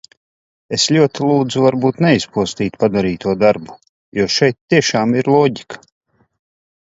Es ļoti lūdzu varbūt neizpostīt padarīto darbu, jo šeit tiešām ir loģika.